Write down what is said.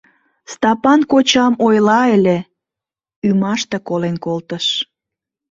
Стапан кочам ойла ыле, ӱмаште колен колтыш...